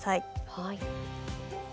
はい。